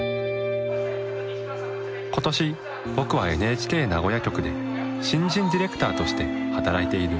今年僕はＮＨＫ名古屋局で新人ディレクターとして働いている。